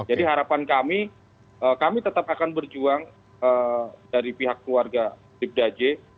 jadi harapan kami kami tetap akan berjuang dari pihak keluarga dipdaje